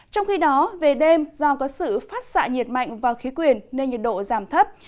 trong khi đó về đêm do có sự phát xạ nhiệt mạnh vào khí quyền nên nhiệt độ giảm thấp